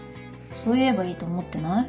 そう言えばいいと思ってない？